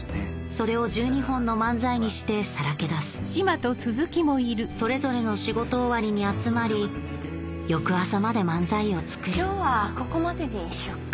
それを１２本の漫才にして曝け出すそれぞれの仕事終わりに集まり翌朝まで漫才を作る今日はここまでにしようか。